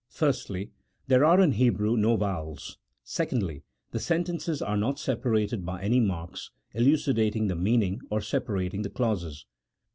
Firstly, there are in Hebrew no vowels ; secondly, the sentences are not separated by any marks elucidating the meaning or separating the clauses.